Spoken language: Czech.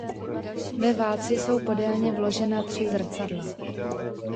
Ve válci jsou podélně vložena tři zrcadla.